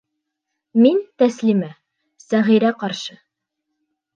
Мин, Тәслимә, Сәғирә ҡаршы.